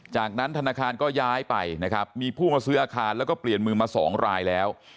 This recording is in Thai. จากนั้นธนาคารก็ย้ายไปนะครับมีผู้มาซื้ออาคารแล้วก็เปลี่ยนมือมา๒รายแล้ว